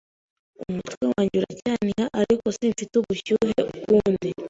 Umutwe wanjye uracyahina ariko simfite ubushyuhe ukundi.